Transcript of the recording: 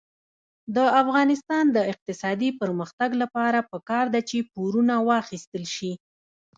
د افغانستان د اقتصادي پرمختګ لپاره پکار ده چې پورونه واخیستل شي.